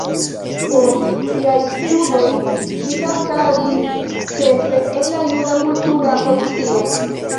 Post siaj studoj ŝi kantadis ĉefe en la juda kultura asocio.